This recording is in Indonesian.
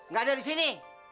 gak ada di sini